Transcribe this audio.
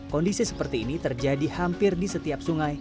kondisi seperti ini terjadi hampir di setiap sungai